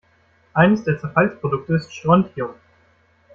Eines der Zerfallsprodukte ist Strontium.